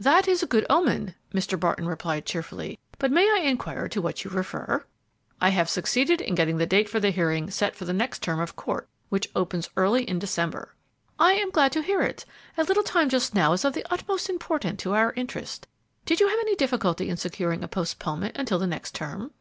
"That is a good omen," Mr. Barton replied cheerfully; "but may I inquire to what you refer?" "I have succeeded in getting the date for the hearing set for the next term of court, which opens early in December." "I am glad to hear it; a little time just now is of the utmost importance to our interests. Did you have any difficulty in securing a postponement until the next term?"